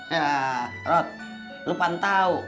ya rat lu pantau